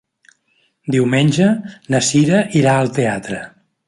Diumenge na Cira irà al teatre.